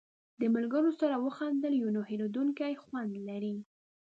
د ملګرو سره وخندل یو نه هېرېدونکی خوند لري.